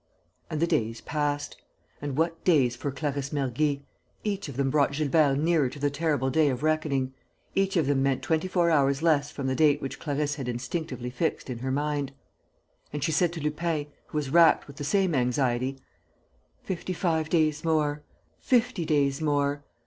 And the days passed. And what days for Clarisse Mergy! Each of them brought Gilbert nearer to the terrible day of reckoning. Each of them meant twenty four hours less from the date which Clarisse had instinctively fixed in her mind. And she said to Lupin, who was racked with the same anxiety: "Fifty five days more.... Fifty days more....